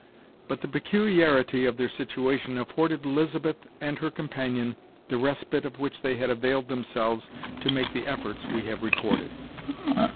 But the peculiarity of their situation afforded Elizabeth and her companion the respite of which they had availed themselves to make the efforts we have recorded.